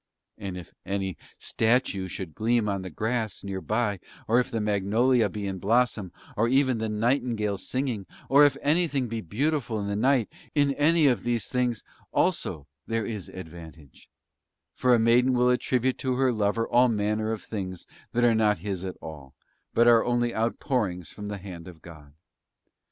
And if any statue should gleam on the grass near by, or if the magnolia be in blossom, or even the nightingale singing, or if anything be beautiful in the night, in any of these things also there is advantage; for a maiden will attribute to her lover all manner of things that are not his at all, but are only outpourings from the hand of God.